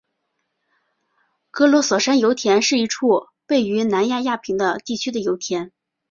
格罗索山油田是一处位于南亚平宁地区的油田。